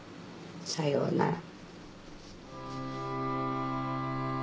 さようなら」。